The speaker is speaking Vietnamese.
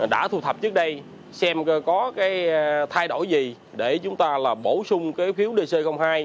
đã thu thập trước đây xem có thay đổi gì để chúng ta bổ sung phiếu dc hai